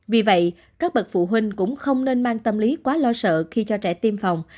vì vậy các bậc phụ huynh cũng không nên mang tâm lý quá lo sợ khi cho trẻ tiêm phòng